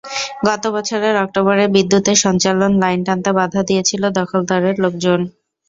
গত বছরের অক্টোবরে বিদ্যুতের সঞ্চালন লাইন টানতে বাধা দিয়েছিল দখলদারের লোকজন।